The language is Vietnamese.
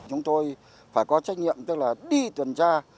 chúng tôi phải có trách nhiệm tức là đi tuần tra